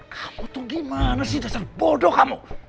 aku tuh gimana sih dasar bodoh kamu